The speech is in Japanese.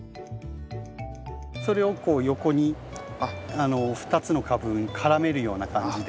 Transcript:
それをこう横に２つの株に絡めるような感じで。